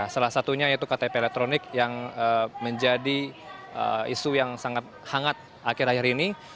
salah satunya yaitu ktp elektronik yang menjadi isu yang sangat hangat akhir akhir ini